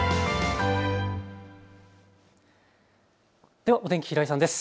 ではお天気、平井さんです。